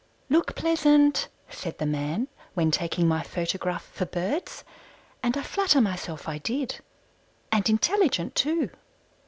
"Look pleasant," said the man when taking my photograph for Birds, and I flatter myself I did and intelligent, too.